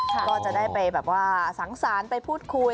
ก็จะได้สังสารไปพูดคุย